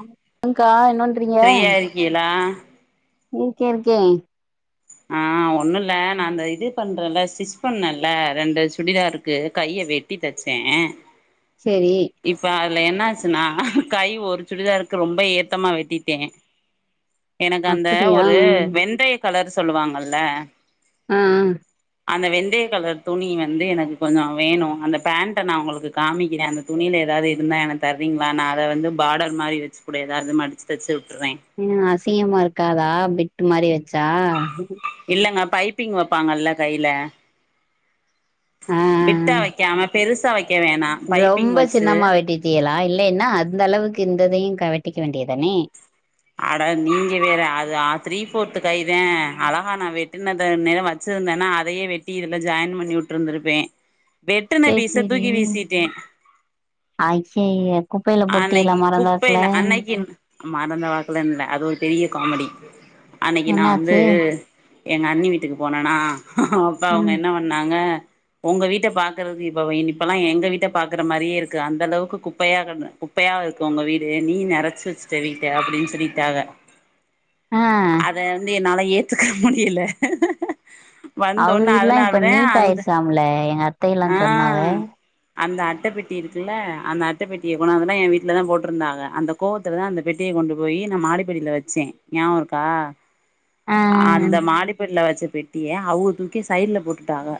அம் அங்க்கா இன்னொன் ஃப்ரீயா இருக்கீகளா இருக்கே இருக்கே ஆ அ ஒன்னுல நா அந்த இது பன்ரேன்ல சிஸ் பண்ணேல ரெண்டு சுடிதார்க்கு கைய வெட்டி தச்சே சேரி இப்ப அதுல என்னாச்சுனா கை ஒரு சுடிதாருக்கு ரொம்ப ஏத்தமா வெட்டிட்டே எனக்கு அந்த அப்டியா ஒரு வெந்தய கலர் சொல்லுவாங்கல ஆ அந்த வெந்தய கலர் துணி வந்து எனக்கு கொஞ்சோ வேணு அந்த பேண்ட நா உங்களுக்கு காமிக்கிறே அந்த துணியில ஏதாது இருந்தா எனக்கு தரீங்களா நான் அத வந்து பார்டர் மாரி வச்சு கூட ஏதாவது மடிச்சு தச்சு விட்டுருவ ஏங்க அசிங்கமா இருக்காதா பிட்டு மாரி வச்சா இல்லங்க பைப்பிங் வைப்பாங்கல்ல கைல ஆ பிட்டா வைக்காம பெருசா வைக்க வேணா பைப்பிங் ரொம்ப வச்சு சின்னமா வெட்டிட்டியலா இல்லைன்னா அந்த அளவுக்கு இந்ததையு வெட்டிக்க வேண்டியதுதானே ஆடா நீங்க வேற அது த்ரீ போர்து கைத அழகா நா வெட்டுனத நேரா வ வச்சிருந்தேன்னா அதையே வெட்டி இதுல ஜாயின் பண்ணி விட்டுருந்திருப்பே வெட்டுன பீச தூக்கி வீசிட்டே அய்யய்ய குப்பைல போட்டீளா மறந்தாப்புல மறந்தவாக்குல இல்ல அது ஒரு பெரிய காமெடி அன்னைக்கு நா வந்து என்னாச்சு எங்க அண்ணி வீட்டுக்கு போனன்னா அப்போ அவங்க ம் என்ன பண் நாங்க உங்க வீட்ட பாக்கறது இப்ப இன் இப்பலா எங்க வீட்ட பாக்கற மாரியே இருக்கு அந்த அளவுக்கு குப்பையா கடந்த குப்பயா இருக்கு உங்க வீடு நீ நெரச்சி வச்சுட்ட வீட்ட அப்டின்னு சொல்லிட்டாக ஆ அத வந்து என்னால் ஏத்துக்க முடியல அவங்க வந்தோன்னே வீடுல்லா இப்ப அதனாலதேன் நீட் அந்த ஆயிருச்சாம்ல எங்க அத்தையெல்லா ஆ சொன்னாக அந்த அட்ட பெட்டி இருக்குல்ல அந்த அட்ட பெட்டிய முன்னல்லாம் என் வீட்டுலதான் போட்டிருந்தாங்க அந்த கோவத்துல தான் அந்த பெட்டிய கொண்டு போயி நான் மாடி படியில வச்சேன் நியாபருக்கா ஆ அந்த மாடிப்படியில வச்சு போய்ட் டியே அவுங்க தூக்கி சைட்ல போட்டுட்டாங்க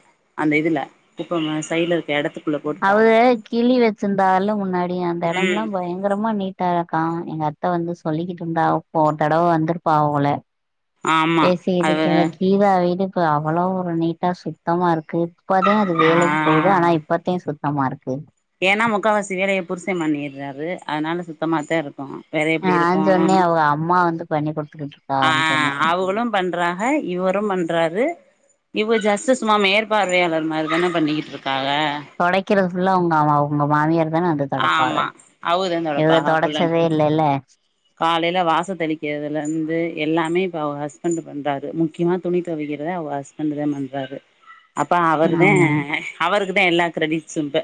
அந்த இதுல குப்பம் மேரி சைடுல இருக்கற இடத்துக்கு அவரு கிளி வச்சிருந்தாருல முன்னாடி அந்த ம் இடம்லாம் பயங் கரமா நீட்டா இருக்கான் எங்க அத்த வந்து சொல்லிக்கிட்டு இருந்தாப்ப ஒரு தடவை வந்திருப்பா போல ஆமா பேசிக்கிட்டு அது கீழ கீதா வீடு இருக்கு அவ்ளோ ஒரு நீட்டா சுத் தமா இருக்கு இப்பதான் அது ஆ வேலைக்கு போது ஆனா இப்பத்தான் சுத்தமா இருக்கு ஏன்னா முக்காவாசி வேலயை புருச பண்ணிடுறாரு அதனால் சுத்தமா தான் இருக்கும் வேற எப்டி நான் இருக்கும் சொன்னே அவங்க அம்மா வந்து பண்ணி குடுத்துக்கிட்டு ஆ இருக்கான்னு சொன்னே அவுங்களும் பன்றாஹ இவரும் பன்றாரு இவ ஜஸ்டு சும்மா மேற்பார்வையாளர் மாரி தான பண்ணிக்கிட்டு இருக்காங்க தொடைக்கிறது புல்லா அவுங்க அ அ அ மாமியார் தானே அது தொடப்பாங்க ஆமா அவதா இது தொடைப்பாக ஃபுல் அண்ட் தொடச்சதே ஃபுல்லு இல்லேல்ல காலையில வாச தெளிக்கிறதுலேருந்து எல்லாமே இப்போ அவ ஹஸ்பண்ட் பண்றாரு முக்கியமா துணி துவக்கிறதே அவ ஹஸ் பண்டு வந்துதா பண்றாரு அப்போ அவர்தேன் ஆமா அவருக்குதான் எல்லா கிரெடிட்ஸும் இப்ப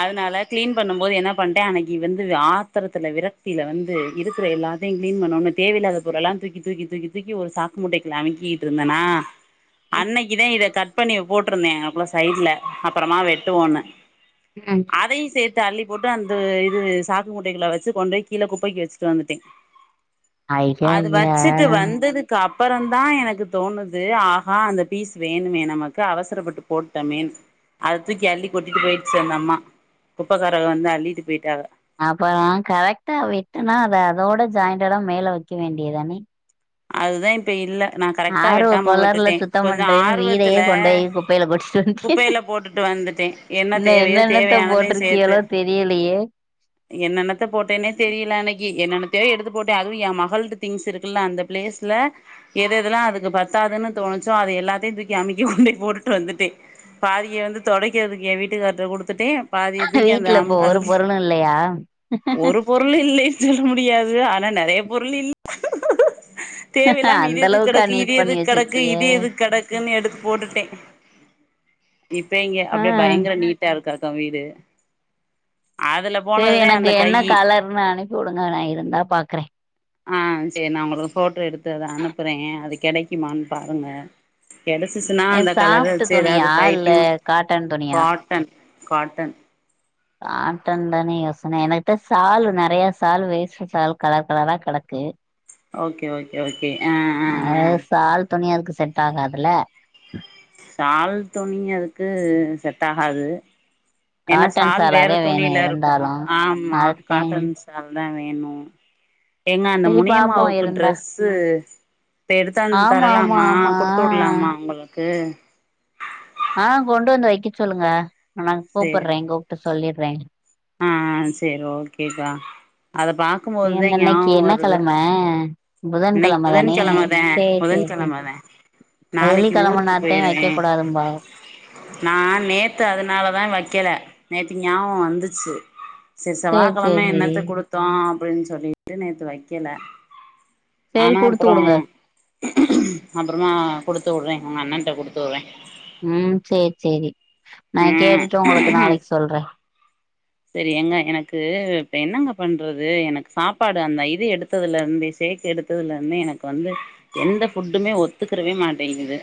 அதனால கிளீன் பண்ணும் போது என்ன பண்டே அன்னிக்கு இ வந்து ஆ த்திரத்துல விரக்த்தியில வந்து இருக்கிற எல்லாத்தையும் கிளீன் பண்ணணும் தேவையில்லாத பொரு ள்ளாம் தூக்கி தூக்கி தூக்கி தூக்கி ஒரு சாக் மூட்டைக்குல்ல அமிக்கிட்டு இருந்தேனா அன்னைக்குதான் இத கட் பண்ணி போட்டிருந்தேன் அப்ரோ சைட்ல அப்பறமா வெட்டுவோன்னு அ அதையும் சேர்த்து அள்ளி போட்டு அந்த இது சாக்கு மூட் டைகள வச்சு கொண்டுய் கீழே குப்பைக்கு வச்சுட்டு வந்துட்டேன் ஐயா அது வச்சுட்டு ஐயா வந்தது க்கு அப்பறம்தான் எனக்கு தோணுது ஆஹா அந்த பீஸ் வேணுமே நமக்கு அவசரப்பட்டு போட்டமேன்னு அத தூக்கி அள்ளி கொட்டிட்டு போய்டுச்சு அந்த அம்மா குப்பைக்காரக வந்து அள்ளிட்டு போய்ட்டாங்க அப்புற கரெக்டா வெட்டுனா அத அதோட ஜாயிண்டடா மேல வைக்க வேண்டியதுதானே அதுதான் இப்ப இல்ல நான் கரெக்டா ஆர்வ வெட்டாம கோளாறுல விட்டுட்டேன் சுத்தம் கொஞ்சம் பண்றேன்னு ஆர்வத்துல வீடையே கொண்டு போய் குப்பையில கொட்டிட்டு வன்ட்டியே குப்பைல போட்டுட்டு வந்துட்டே என்ன இன்னு தேவையோ என்னென்னத்த தேவையானதையு சேத்து போட்டிருக்கியளோ தெரியலையே என்னென்னத்த போட்டேனே தெரியல அன்னைக்கு என்னென்னத்தையோ எடுத்து போட்டே அதுவு எயே மகள்து திங்ஸ் இருக்குல்ல அந்தப் பிளேஸ்ல எதெ தெல்லா அதுக்கு பத்தாதுன்னு தோணுச்சோ அது எல்லாத்தையு தூக்கி அமுக்கி கொண்டி போட்டுட்டு வந்துட்டே பாதிய வந்து தொடைக்கிறதுக்கு ஏயே வீட்டுக்காரிட்ட குடுத்துட்டே பாதியத்துக்கி அந்த வீட்ல அம் இப்போ ஒரு அதுக்கு பொருளு இல்லையா ஒருப் பொருள் இல்லன்னு சொல்ல முடியாது ஆனா நெறைய பொருள் இல் தேவ இல்லாம இது அந்த எதுக் அளவுக்கா கெடக்கு இது நீட் பண்ணி எதுக்கு கெடக்கு வச்சிருக்கிய இது எதுக் கெடக்குன்னு எடுத்து போட்டுக்கிட்டே இப்ப இங்க ஆ அப்டே பயங்கர நீட்டா இருக்க அக்கா வீடு அதல சேரி எனக்கு என்ன கலர்னு அனுப்பி உடுங்க நா இருந்தா பாக்குறே ஆ சேரி நா உங்களுக்கு ஃபோட்டோ எடுத்து அத அனுப்புறே அது கெடைக்குமான்னு பாருங்க கெடைச்சிச்சுன்னா ஏ அந்த கலர சாஃப்ட் வெச்சு ஏதாது துணியா இல்ல பைப்பிங் காட்டன் துணியா காட்டன் காட்டன் காட்டன் தானே யோசனை எனகிட்ட சால் நறைய சால் வேஸ்ட் சால் கலர் கலரா கெடக்கு ஓகே ஓகே ஓகே ஆ ஆ ஆ அது சால் துணி அதுக்கு செட் ஆகாதுல சால் துணி அதுக்கு செட் ஆகாது ஏன்னா காட்டன் சால் வேற சாலாவே வேணு துணியில இருக்கு இருந்தாலு ஆமா அதே காட்டன்ஸ் டன் சால் தா வேணு எங்க அந்த சரி பாப்போ முனியம்மாவுக்கு இருந்தா ட்ரெஸ் சு இப்ப எடுத்தாந் ஆமா ஆமா தரலாமா ஆமா குடுத்து உட்லாமா அவுங்களுக்கு ஆ கொண்டு வந்து வைக்க சொல்லுங்க நா சேரி கூப்பட்றே கூப்புட்டு சொல்லிட்றே ஆ சேரி ஓகேக்கா அத பாக்கும் போதுதா இன்னைக்கு ஞாவோ என்ன வருது கெழம இன்னைக்கி புதன்கெழம புதன் தானே கெழமதா சேரி புதன் சேரி சேரி கெழமதா நாளைக்கி வெள்ளிக்கெழம ஊருக்கு நாத்தையு போயிருவே வைக்க கூடாதும்பா நா நேத்து அதனாலதா வெக்கல நேத்தி ஞாவோ வந்துச்சி சேரி செவ்வாகெழம சேரி சேரி என்னத்த குடுத்தோ அப்டின்னு சொல்லிட்டு நேத்து வைக்கல சேரி ஆனா குடுத்து அப்றோ வுடுங்க அப்றமா குடுத்து உட்றே உங்க அண்ணட்ட குடுத்து உட்றே ம் சேர் சரி நா கேட்டுட்டு உங்களுக்கு நாளைக்கு சொல்றே சேரி எங்க எனக்கு இப்போ என்னங்க பண்றது எனக்கு சாப்பாடு அந்த இது எடுத் எடுத்ததுல இருந்து சேக் எடுத்ததுல இருந்து எனக்கு வந்து எந்த ஃபுட்டுமே ஒத்துக்கறவே மாட்டேங்குது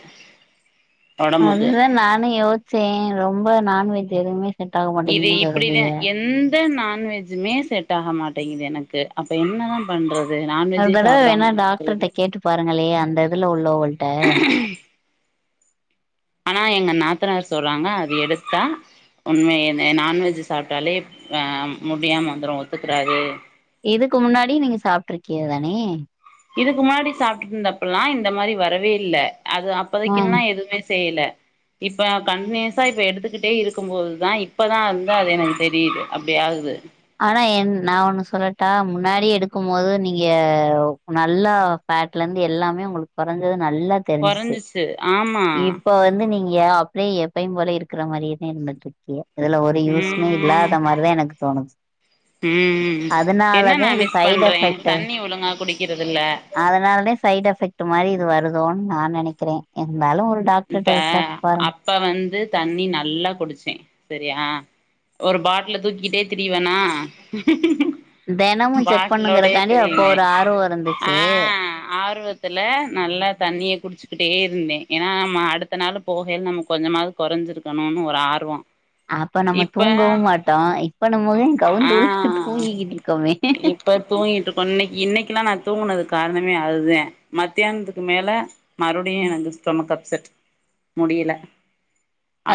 ஒடம்புக்கு அதுதா நானு யோஸ்ச்சே ரொம்ப நான்வெஜ் எதுவுமே செட் ஆக இது மாட்டேங்குதுன்னு இப்டிதா சொல்றிய எந்த நான்வெஜ்ஜுமே செட் ஆக மாட்டேங்குது எனக்கு அப்ப என்னதா பண்றது ஒரு நான்வெஜ்ஜே தடவ வேணா சாப்டாம இருக்கறது டாக்டர்ட்ட கேட்டு பாருங்களே அந்த இதுல உள்ளவள்ட ஆனா எங்க நாத்தனார் சொல்றாங்க அது எடுத்தா உண்மையுமே நான்வெஜ் சாப்டாலே அ முடியாம வந்துடு ஒத்துக்கறாது இதுக்கு முன்னாடி நீங்க சாப்டிருக்கிய தானே இதுக்கு முன்னாடி சாப்டுட்டு இருந்தப்பல்லா இந்த மாரி வரவே இல்ல அது அப் ஆ இப்பதைக்கு நா எதுவுமே செய்யல இப்ப நா கண்டினியூஸா இப்ப எடுத்துக்கிட்டே இருக்கும்போதுதா இப்பதா அந்த அது எனக்கு தெரியுது அப்டி ஆகுது ஆனா என் நா ஒன்னு சொல்லட்டா முன்னாடி எடுக்கு போது நீங்க நல்லா ஃபேட்ல இருந்து எல்லாமே உங்களுக்கு குறைஞ்சது நல்லா தெரிஞ்சிச்சு கொறஞ்சிச்சு ஆமா இப்ப வந்து நீங்க நீகே அப்டியே எப்பயையு போல இருக்கற மாரியே தா இருந்துட்டு இருக்கிய இதுல ஒரு யூஸ்மே ம் இல்லாத மாரிதா எனக்கு தோணுது ம் என்ன அதனாலதான் நான் இது மிஸ் சைட் பண்றே தண்ணி ஒழுங்கா குடிக்கிறதில்ல அதனாலே சைட் எஃபெக்ட் மாரி இது வருதோன் நா நெனைக்கிறே இருந்தாலு ஒரு இப்ப டாக்டர்ட்ட விசாரிச்சு பாருங்க அப்ப வந்து தண்ணி நல்லா குடிச்சேன் சரியா ஒரு பாட்டில தூக்கிட்டே திரிவேணா தெனமு செக் பாட்லோடயே பண்ணுங்கறக்காண்டி அப்ப திரிவே ஒரு ஆர்வோ ஆ இருந்துச்சு ஆர்வத் த்துல நல்லா தண்ணிய குடிச்சுக்கிட்டே இருந்தே ஆமா அடுத்த நாள் போகையில நம்ம கொஞ்சமாவது குறைஞ்சிருக்கணுன் ஒரு ஆர்வோ அப்ப நம்ம இப்ப தூங்கவு மாட்டோ இப்ப நம்ம ஆ கவுந்துவிழுந்து தூங்கிக்கிட்டு இருக்கோமே இப்ப தூங்கிட்டு இருக்கோ இன்னைக்கு இன்னைக்குல்லா நா தூங்கினதுக்கு காரணமே அதுதே மத்தியானத்துக்கு மேல மறுபடியு எனக்கு ஸ்டொமக் அப்செட் முடியல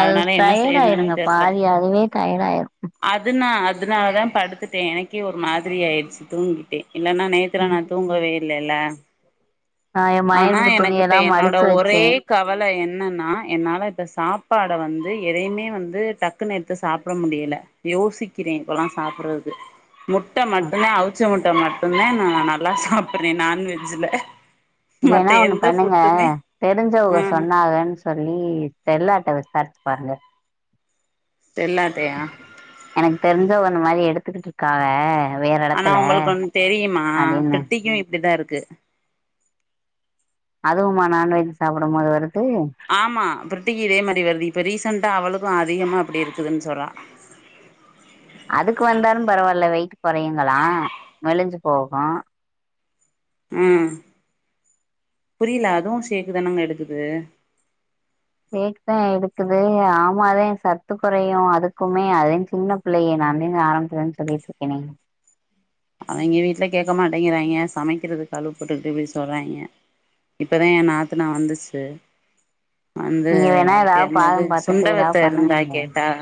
அது என்ன டயர்ட் செய்யறதுன்னு ஆயிருங்க தெர்ல பாதி அதுவே டயர்ட் ஆயிரு அதுனா அதனாலதா படுத்துட்டேன் எனக்கே ஒரு மாதிரி ஆயிடுச்சு தூங்கிட்டே இல்லைன்னா நே த்துல ம் நா தூங்கவே இல்லல்ல நா என் மயனோட துணி எல்லா மடிச்சு வச்சே கவலை என்னன்னா என்னால இப்போ சாப்பாட வந்து எதையுமே வந்து டக்குனு எடுத்து சாப்ட முடியல யோசிக்கிறே இப்பல்லா சாப்ட்றதுக்கு முட்டை மட்டுதா அவுச்ச முட்டை மட்டுதா நா நல்லா சாப்ட்றே நான்வெஜ்ல மத்த இல்லன்னா ஒன்னு எந்த பண்ணுங்க ஃபுட்டுமே தெரிஞ்சவங்க ஆ சொன்னாங்கன் சொல்லி செல்லாட்ட விசாரிச்சு பாருங்க செல்லாட்டயா எனக்கு தெரிஞ்சவ்க அந்த மாதிரி எடுத்துக்கிட் இருக்காக வேற ஆனா எடத்துல உங்களுக்கு ஒன்ன தெரியுமா அப்டின்னு பிரித்திக்கு இப்படிதா இருக்கு அதுவுமா நான்வெஜ் சாப்டு போது வருது ஆமா பிரிட்டிகி இதே மாரி வருது இப்போ ரீசண்டா அவளுக்கு அதிகமாக அப்படி இருக்குதுன் சொல்றா அதுக்கு வந்தாலு பரவாயில்ல வெயிட் குறையுங்களா மெலிஞ்சு போகு அ புரியல அதுவு சேக்குதானங்க எடுக்குது சேக் தான் எடுக்குது ஆமாதே சத்து குறையு அதுக்குமே அதே சின்ன பிள்ளைக அன்னைக்கே ஆரம்பிதிலிருந்தே சொல்லிட்டு இருக்கனே அவிங்க வீட்ல கேட்க மாட்டேங்கிறாங்க சமைக்கிறதுக்கு அலுப்புபட்டுக்கிட்டு இப்படி சொல்றாங்க இப்போதா ஏ நாத்துனா வந்துச்சு வந்து நீங்க வேணா அதுக்கு ஏதாவது என்னது பாதம் பாத்துட்டு ஏதாவது சுண்டவத்த இருந்தா பண்ணுங்கங்க கேட்டாஹ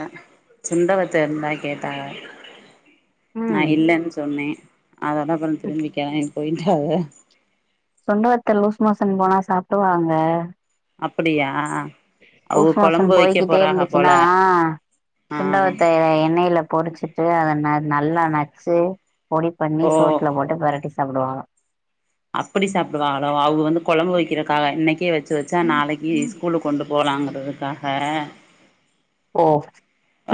சுண்டவத்து இருந்தா கேட்டாஹ நா ம் இல்லைன் சொன்னே அதோட அப்புற திரும்பி கெலம்பி போய்ட்டாஹ சுண்ட வத்தல் லூஸ் மோசன் போனா சாப்டுவாங்க அப்படியா அவுக லூஸ் மோஷன் கொழம்பு வைக்க போய்கிட்டே போறாக போல இருந்துச்சுன்னா ஆ சுண்டவத்த எண்ணெயில பொரிச்சு சு அத நல்லா நச்சு பொடி பண்ணி ஓ சோத்துல போட்டு பெரட்டி சாப்டுவாக அப்படி சாப்பிடுவாகளோ அவங்க வந்து குழம்பு வைக்கிறக்காக இன்னைக்கே வச்சு வச்சா நாளைக்கு ஸ்கூலு கொண்டு போகலாங்கிறதுக்காக ஓ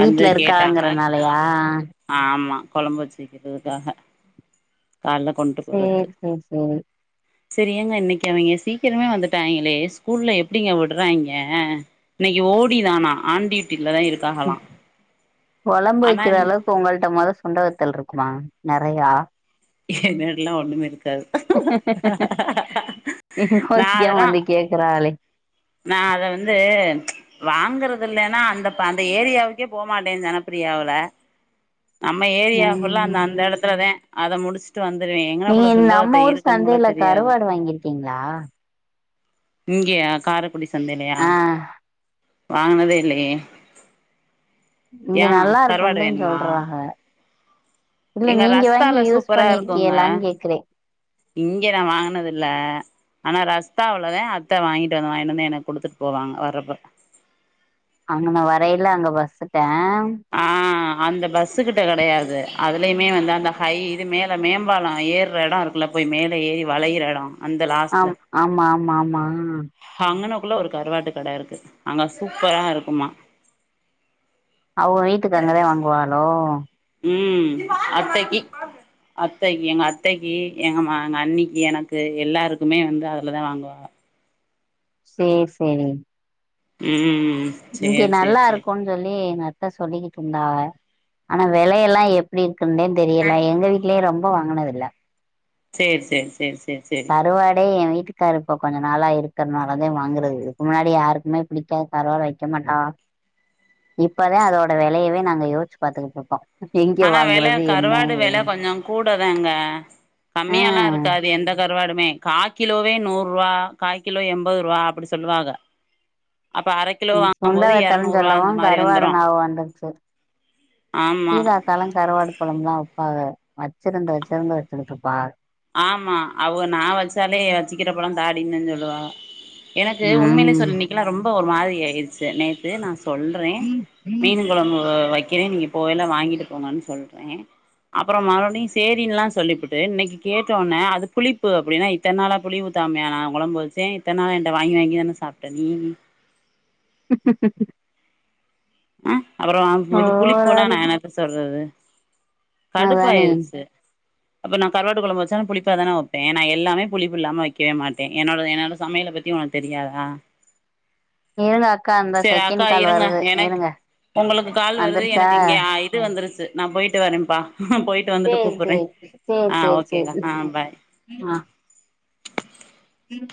வந்து கேட்டாங்க நா இருக்காங்கறனாலயா அப்றோ ஆமா கொழம்பு வச்சுவ க்குறதுக்காக கால்ல கொண்டு போறக்கு சேரி சேரி சேரி சரி ஏங்க இன்னைக்கு அவிங்க சீக்கிரமே வந்துட்டாங்களே ஸ்கூல்ல எப்டிங்க உடுறாய்ங்க இன்னைக்கு ஓடி தானா ஆண்டி வீட்டில தா இருக்காகலா கொழம்பு வைக்கிற அளவுக்கு ஒங்கள்ட மொத சுண்டவத்தல்ருக்குமா நறையா என்னட்ல்லா ஒண்ணுமேருக் நா யோசிக்காம அதெல்லா வந்து கேக்குறாலே நா அத வந்து வாங்கறதுல்லேன்னா அந்த ப அந்த ஏரியாவுக்கே போமாட்டே ஜனப்பிரியாவுல நம்ம ஏரியா ஃபுல்லா அந்த ம் அந்த எடத்துலதே அத முடிச் ட்டு வந்துருவே நீங்க எங்கனக்குள்ள சுண்டவத்த நம்ம ஊர் இருக்குன்னு கூட சந்தையில தெரியாது கருவாடு வாங்கிருக்கீங்களா இங்கயா காரக்குடி சந்தைலையா ஆ வாங்குனதே இல்லையே இங்க யா நல்லா கறுவாடு இருக்கும்டேன்னு வேணுமா சொல்றாக இல்ல எங்க நீங்க வாங்கி ரஸ்தால யூஸ் சூப்பரா இருக்குங்க பண்ணிருக்கீயலான்னு கேக்குறே இங்கே நா வாங்குனதுல்ல ஆனா ரஸ்தாவுலதே அத்த வாங்கிட்டு வந்து வாங்கிட்டு வந்து எனக்கு குடுத்துட்டு போவாங்க வரப்ப அங்கன வரயில அங்க பஸ்ஸுட ஆ அந்த பஸ்ஸு கிட்ட கெடையாது அதுலயுமே வந்து அந்த ஹை இது மேல மேம்பாலொ ஏர்ர எடொ இருக் குல்ல போய் மேலே ஏறி வளையிற எடொ அந்த லாஸ்ட்ல ஆம் ஆமா ஆமா ஆமா அங்கனக்குள்ள ஒரு கருவாட்டுக் கட இருக்கு அங்க சூப்பரா இருக்குமா அவுக வீட்டுக்கு அங்கதே வாங்குவாகளோ ம் அத்தக்கி அத்தக்கி எங்க அத்தக்கி எங்க மா எங்க அண்ணிக்கி எனக்கு எல்லாருக்குமே வந்து அதுலதா வாங்குவாக சேரி சேரி ம் இங்கே சேரி சேரி சேரி நல்லாருக்குன் சொல்லி எங்க அத்த சொல்லிக்கிட்டுருந்தாக ஆனா வெலயெல்லா எப்டி இருக்குன்தே தெரியல எங்க வீட்டு இல்லையே ரொம்ப வாங்குனதில்ல சேரி சேரி சேரி சேரி சேரி கறுவாடே என் வீட்டுக்காரர் இப்ப கொஞ்ச நாளா இருக்கறனாலதே வாங்குறது இதுக்கு முன்னாடி யாருக்குமே புடிக்காது கருவாடு வக்கமாட்டா இப்பதா அதோட வெலயவே நாங்க யோச்சு பாத்துகிட்டுருக்கோ ஆனா வெல கறுவாடு வெல கொஞ்சோ கூடதாங்க ஆ கம்மியால்லாருக்காது எந்த கருவாடுமே காகிலோவே நூறுவா காகிலோ என்பதுரூவா அப்டி சொல்லுவாக அப்ப அரக் நீ சுண்ட வத்தல்னு சொல்லவு கருவாடு நாவகம் வந்துருச்சு ஆமா கீதா அக்காலா கருவாடு கொழம்ல்லா வப்பாக வச்சிருந்து வச்சிருந்து வச்சுகிட்டுருப்பாக ஆமா அவுக நா வச்சாலே வச்சிக்கிறப்பலா தாடின்தா சொல்லுவாக எனக்கு உண்மையிலே ம் சொல் இன்னைக்கெல்லா ரொம்ப ஒரு மாரி ஆயிருச்சு நேத்து நா சொல்றேன் மீன் கொழம்பு வைக்கிறேன் நீங்க போவயில வாங்கிட்டு போங்கன் சொல்றேன் அப்பறொ மறுபடியும் சேரின்லா சொல்லிபுட்டு இன்னக்கி கேட்ட ஒன்ன அது புளிப்பு அப்டினா இத்தன் நாளா புளி ஊத்தாமையா நா கொழம்பு வச்சே இத்தன் நாளா என்ட்ட வாங்கி வாங்கி தான சாப் ட்ட நீ அ அப்பறொ இது புளிப்புனா ஓவராலு நா என்னத்த சொல்றது அதானே கடுப்பாயிருச்சு அப்ப நா கருவாட்டு கொழம்பு வச்சாலு புளிப்பா தான வப்பே நா எல்லாமே புளிப்பு இல்லாம வைக்கவே மாட்டேன் என்னோட என்னோட சமையல பத் திமா ஒனக்கு தெரியாதா இருங்க அக்கா அந்த செகண்ட் கால் வருது இருங்க ஒங்களுக்கு கால் வருது வந்துருச்சா எனக்கு இங்கே இது வந்துருச்சு நா போய்ட்டு வரேப்பா போய் சேர் சேர் சேர் சேர் ஆ சேரி பாய் ஆ உம்